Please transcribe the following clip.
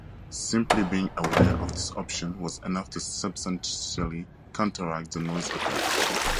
Simply being aware of this option was enough to substantially counteract the noise effect.